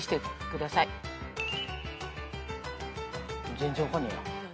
全然分かんねえな。